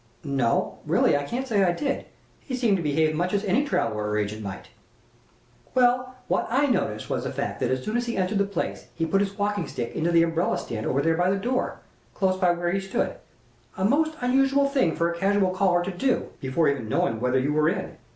"No, really, I can't say I did. He seemed to behave much as any traveler or agent might." "Well, what I noticed was the fact that as soon as he entered the place he put his walking stick into the umbrella stand over there by the door, close by where he stood, a most unusual thing for a casual caller to do, before even knowing whether you were in.